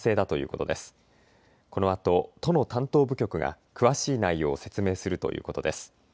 このあと都の担当部局が詳しい内容を説明するということです。